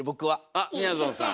あっみやぞんさん。